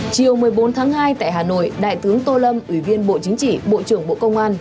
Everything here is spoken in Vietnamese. chiều một mươi bốn tháng hai tại hà nội đại tướng tô lâm ủy viên bộ chính trị bộ trưởng bộ công an